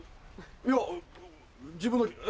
いや自分が。